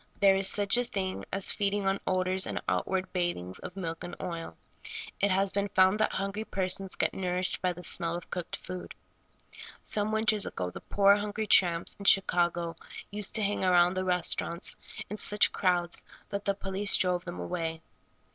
There is such a thing as feeding on odors and outward bathings 10 SOUL FOOD. of milk and oil. It has been found that hungry per sons get nourished by the smell of cooked food. Some winters ago the poor, hungry tramps in Chicago used to hang around the restaurants in such crowds that the police drove them away.